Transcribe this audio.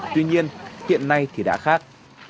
tuy nhiên hiện nay thì đã khác